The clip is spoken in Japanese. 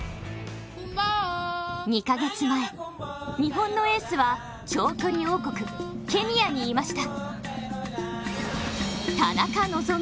２か月前、日本のエースは長距離王国・ケニアにいました。